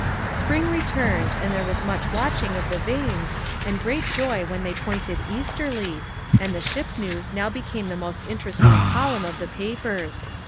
Spring returned, and there was much watching of the vanes, and great joy when they pointed easterly, and the ship news now became the most interesting column of the papers.